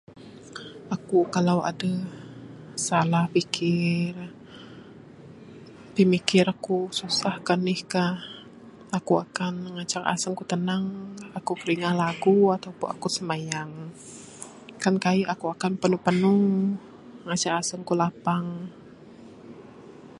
Aku kalau adeh salah pikir pimikir ku susahkah anihkah aku akan ngancak aseng ku tenang ku kidingah lagu ku simayang kan kai ku akan panu ngancak aseng ku lapang.